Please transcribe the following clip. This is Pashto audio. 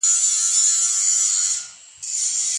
ماشومانو ته په کوم دوران کي تعليم ورکول کيږي؟